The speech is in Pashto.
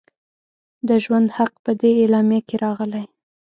د ژوند حق په دې اعلامیه کې راغلی.